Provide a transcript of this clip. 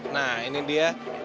nah ini dia